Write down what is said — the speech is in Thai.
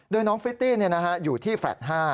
โดยน้องฟิตตี้อยู่ที่แฟลต์๕